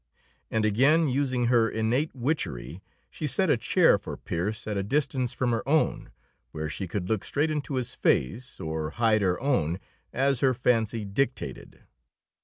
And again using her innate witchery, she set a chair for Pearse at a distance from her own, where she could look straight into his face or hide her own, as her fancy dictated.